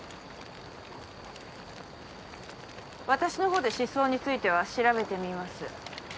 私の方で失踪については調べてみます。